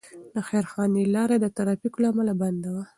د خیرخانې لاره د ترافیکو له امله بنده وه.